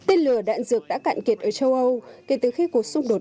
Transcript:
tên lửa đạn dược đã cạn kiệt ở châu âu kể từ khi cuộc xung đột